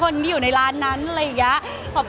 คือบอกเลยว่าเป็นครั้งแรกในชีวิตจิ๊บนะ